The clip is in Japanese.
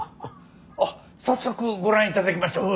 あっ早速ご覧いただきましょう。